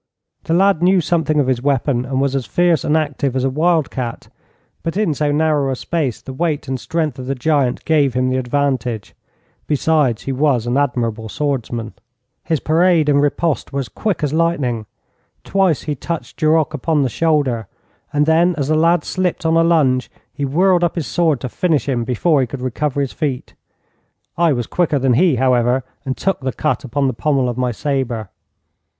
The lad knew something of his weapon, and was as fierce and active as a wild cat, but in so narrow a space the weight and strength of the giant gave him the advantage. Besides, he was an admirable swordsman. His parade and riposte were as quick as lightning. Twice he touched Duroc upon the shoulder, and then, as the lad slipped on a lunge, he whirled up his sword to finish him before he could recover his feet. I was quicker than he, however, and took the cut upon the pommel of my sabre.